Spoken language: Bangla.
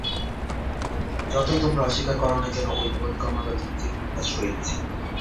যতই তোমরা অস্বীকার কর না কেন, ঐ বোধ ক্রমাগত নিজেকে প্রকাশ করিতেছে।